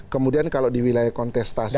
kemudian kalau di wilayah kontestasi